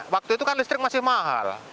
waktu itu kan listrik masih mahal